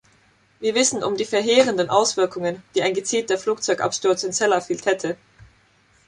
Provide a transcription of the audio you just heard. Wir wissen um die verheerenden Auswirkungen, die ein gezielter Flugzeugabsturz in Sellafield hätte.